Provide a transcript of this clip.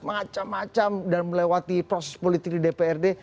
macam macam dan melewati proses politik di dprd